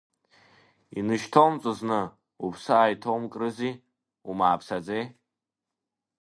Инышьҭоумҵо зны, уԥсы ааиҭоумкрызи, умааԥсаӡеи?